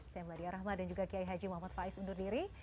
saya meladia rahma dan juga kiai haji muhammad faiz undur diri